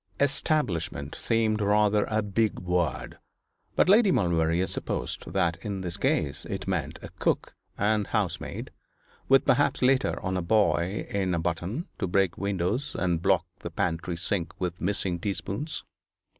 'Establishment' seemed rather a big word, but Lady Maulevrier supposed that in this case it meant a cook and housemaid, with perhaps later on a boy in buttons, to break windows and block the pantry sink with missing teaspoons.